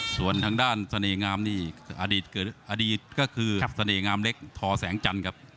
ส่วนทางด้านเสน่หงามนี่อดีตอดีตก็คือเสน่หงามเล็กทอแสงจันทร์ครับ